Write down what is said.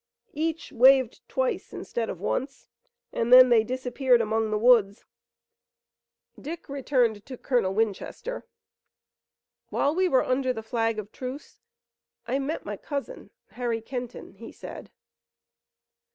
Each waved twice, instead of once, and then they disappeared among the woods. Dick returned to Colonel Winchester. "While we were under the flag of truce I met my cousin, Harry Kenton," he said.